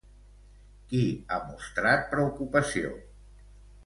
Qui ha mostrat preocupació?